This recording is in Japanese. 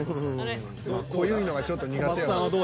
濃いのがちょっと苦手。